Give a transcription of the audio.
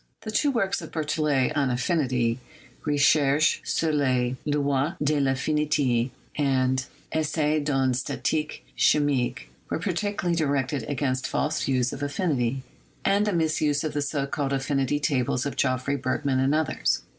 The two works of Berthollet on affinity — "Recherches sur les Lois de rAffinite" and "Essai d'une Statique Chi mique" — were particularly directed against false views of affinity and the misuse of the so called affinity tables of Geoffrey, Bergman, and others.